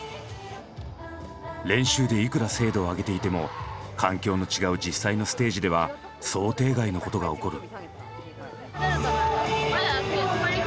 練習でいくら精度を上げていても環境の違う実際のステージでは想定外のことが起こる。